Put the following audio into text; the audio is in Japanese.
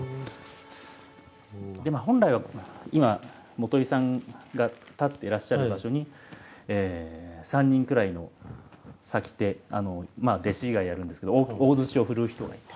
でも本来は今元井さんが立っていらっしゃる場所に３人くらいの先手弟子がやるんですけど大槌をふるう人がいて。